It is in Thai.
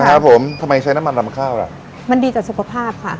ครับผมทำไมใช้น้ำมันนำข้าวล่ะมันดีต่อสุขภาพค่ะ